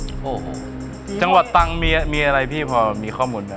โอ้โหจังหวัดตังมีอะไรพี่พอมีข้อมูลไหม